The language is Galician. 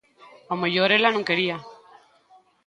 Ao mellor ela non quería.